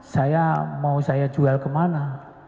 saya mau saya jual kemana